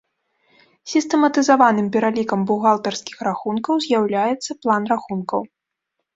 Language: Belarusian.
Сістэматызаваным пералікам бухгалтарскіх рахункаў з'яўляецца план рахункаў.